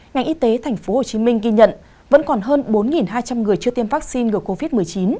ngành y tế tp hcm ghi nhận vẫn còn hơn bốn hai trăm linh người chưa tiêm vaccine ngừa covid một mươi chín